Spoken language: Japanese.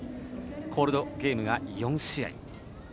コールドゲームが４試合。